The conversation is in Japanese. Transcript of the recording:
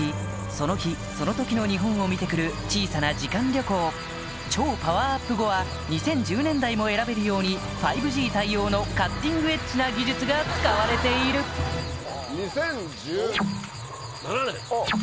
その日その時の日本を見てくる小さな時間旅行超パワーアップ後は２０１０年代も選べるように５Ｇ対応のカッティングエッジな技術が使われている２０１７年。